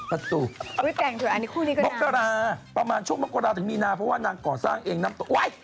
บัตถุวิวาประมาณช่วงมักกระดาษถึงมีนาเพราะว่านางก่อสร้างเองน้ำตก